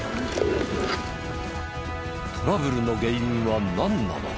トラブルの原因はなんなのか？